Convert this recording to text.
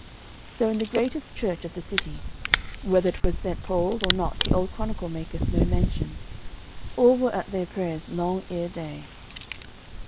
So in the greatest church of the city (whether it was St Paul's or not the old chronicle maketh no mention) all were at their prayers long ere day.